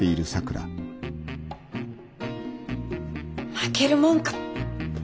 負けるもんか。